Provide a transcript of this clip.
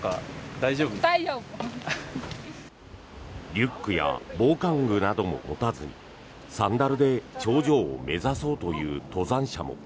リュックや防寒具なども持たずサンダルで頂上を目指そうという登山者も。